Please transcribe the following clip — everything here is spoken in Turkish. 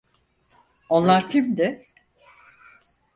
Onlar kimdi?